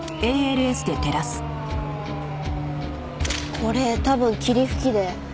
これ多分霧吹きで。